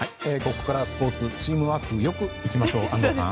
ここからはスポーツチームワークよくいきましょう安藤さん。